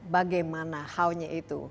bagaimana haunya itu